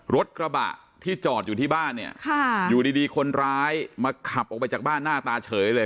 รถกระบะที่จอดอยู่ที่บ้านเนี่ยอยู่ดีคนร้ายมาขับออกไปจากบ้านหน้าตาเฉยเลย